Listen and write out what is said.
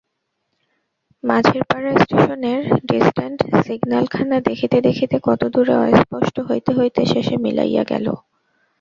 মাঝেরপাড়া স্টেশনের ডিসট্যান্ট সিগন্যালখানা দেখিতে দেখিতে কতদূরে অস্পষ্ট হইতে হইতে শেষে মিলাইয়া গেল।